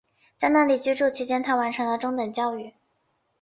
在那里居住期间她完成了中等教育。